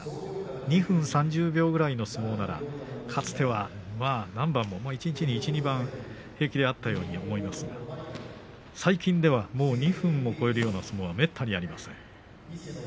２分３０秒ぐらいの相撲ならかつては何番も一日１、２番、平気であったように思いますが最近ではもう２分を超えるような相撲はめったにありません。